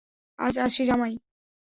আজ আসি জামাই।